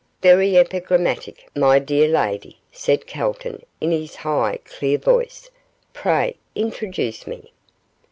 'Very epigrammatic, my dear lady,' said Calton, in his high, clear voice; 'pray introduce me.